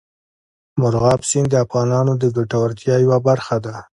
مورغاب سیند د افغانانو د ګټورتیا یوه برخه ده.